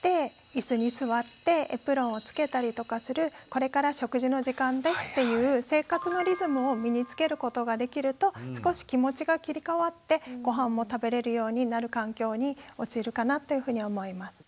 これから食事の時間ですっていう生活のリズムを身につけることができると少し気持ちが切り替わってごはんも食べれるようになる環境におちいるかなというふうに思います。